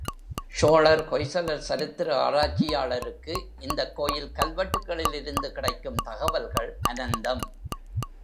சோழர் ஹொய்சலர் சரித்திர ஆராய்ச்சியாளருக்கு இந்தக் கோயில் கல்வெட்டுக்களில் இருந்து கிடைக்கும் தகவல்கள் அனந்தம்.